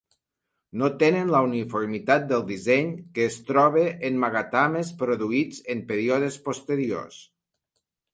No tenen la uniformitat del disseny que es troba en magatames produïts en períodes posteriors.